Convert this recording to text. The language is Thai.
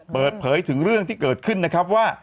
เปิดเผยถึงเรื่องที่เกิดขึ้นนะครับว่า